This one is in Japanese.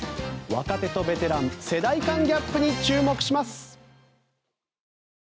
若手とベテラン世代間ギャップに注目します。